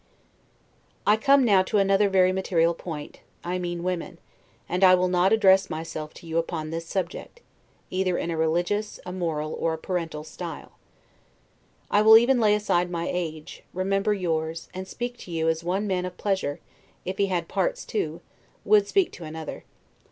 I come now to another and very material point; I mean women; and I will not address myself to you upon this subject, either in a religious, a moral, or a parental style. I will even lay aside my age, remember yours, and speak to you as one man of pleasure, if he had parts too, would speak to another.